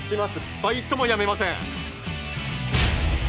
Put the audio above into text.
バイトも辞めません。